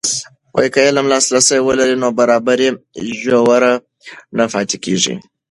که علم لاسرسی ولري، نابرابري ژوره نه پاتې کېږي.